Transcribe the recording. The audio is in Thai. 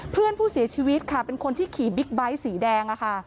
เพื่อนผู้เสียชีวิตค่ะเป็นคนที่ขี่บิ๊กไบท์สีแดง